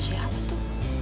sama siapa itu